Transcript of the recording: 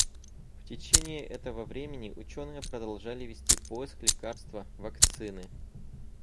В течение этого времени ученые продолжали вести поиск лекарства, вакцины.